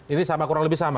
ini kurang lebih sama